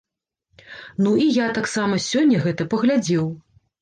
Ну і я таксама сёння гэта паглядзеў.